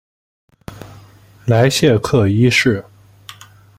莱谢克一世。